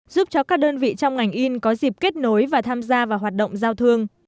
giúp cho các đơn vị trong ngành in có dịp kết nối và tham gia vào hoạt động giao thương